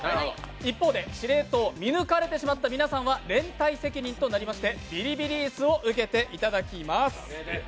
一方で司令塔を見抜かれてしまった皆さんは連帯責任となりましてビリビリ椅子を受けていただきます。